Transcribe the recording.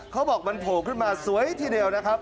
เขาบอกมันโผล่ขึ้นมาสวยทีเดียวนะครับ